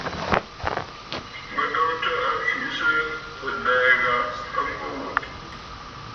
Mə̀ dòrɨ̀tə a mfiʼisə̂ ɨ̀lɛ̀ɛ̂ gha a mbo wò.